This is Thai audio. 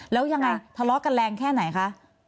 แล้วยังไงทะเลาะกันแรงแค่ไหนคะ